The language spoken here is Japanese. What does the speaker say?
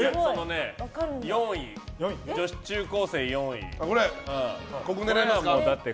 女子中高生４位。